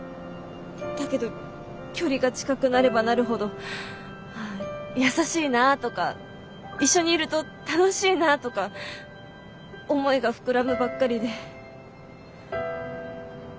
だけど距離が近くなればなるほど優しいなぁとか一緒にいると楽しいなぁとか思いが膨らむばっかりで。